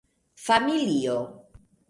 familio